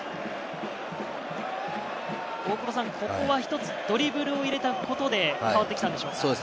ここは一つドリブルを入れたことで変わってきたんでしょうか？